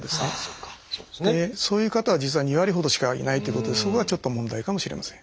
そういう方は実は２割ほどしかいないということでそこがちょっと問題かもしれません。